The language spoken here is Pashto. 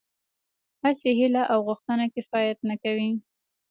هسې هيله او غوښتنه کفايت نه کوي.